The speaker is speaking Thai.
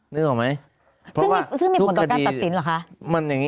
นึกออกไหม